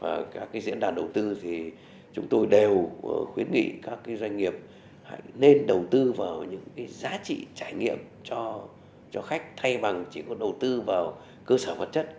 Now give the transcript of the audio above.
và các diễn đàn đầu tư thì chúng tôi đều khuyến nghị các doanh nghiệp nên đầu tư vào những giá trị trải nghiệm cho khách thay bằng chỉ có đầu tư vào cơ sở vật chất